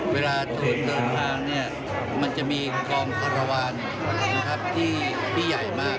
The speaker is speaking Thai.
เวลาโดนเถิดทางมันจะมีกลองฆ่าระวันที่ใหญ่มาก